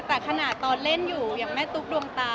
แต่ขนาดตอนเล่นอยู่อย่างแม่ตุ๊กดวงตา